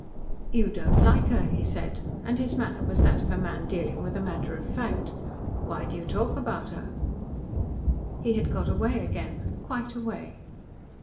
"You don't like her," he said, and his manner was that of a man dealing with a matter of fact. "Why do you talk about her?" He had got away again quite away.